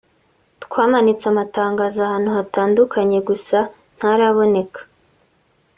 twamanitse amatangazo ahantu hatandukanye gusa ntaraboneka